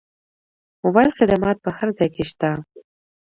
موبایل خدمات په هر ځای کې شته.